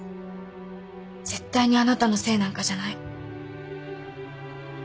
絶対にあなたのせいなんかじゃない。